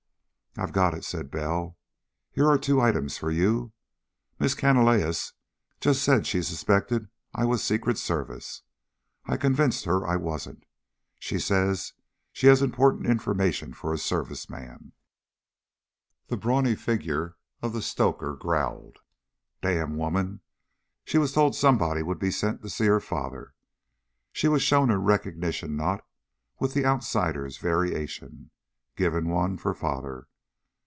"I've got it," said Bell. "Here are two items for you. Miss Canalejas just said she suspected I was Secret Service. I convinced her I wasn't. She says she has important information for a Service man." The brawny figure of the stoker growled. "Damn women! She was told somebody'd be sent to see her father. She was shown a recognition knot with the outsider's variation. Given one, for father.